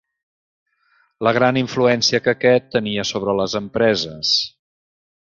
La gran influència que aquest tenia sobre les empreses